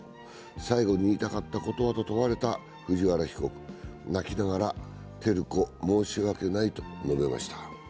最後に言いたかったことは？と問われた藤原被告泣きながら、照子、申し訳ないと述べました。